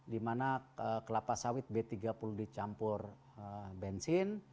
dimana kelapa sawit b tiga puluh dicampur bensin